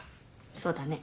そうだね。